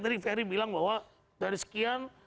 tadi ferry bilang bahwa dari sekian